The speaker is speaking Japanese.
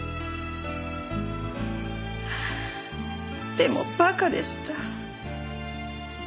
でも馬鹿でした。